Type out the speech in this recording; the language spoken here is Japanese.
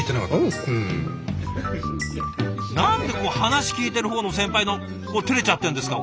何でこう話聞いてる方の先輩てれちゃってんですか